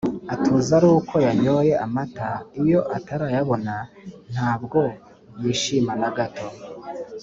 Atuza aruko yanyoye amata iyo atarayabona ntabwo yishima nagato